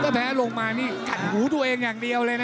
แพ้ลงมานี่กัดหูตัวเองอย่างเดียวเลยนะ